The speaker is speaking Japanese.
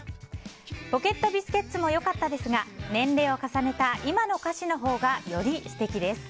ポケットビスケッツも良かったですが年齢を重ねた今の歌詞のほうがより素敵です。